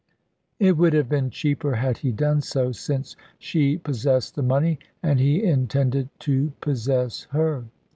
It would have been cheaper had he done so, since she possessed the money and he intended to possess her.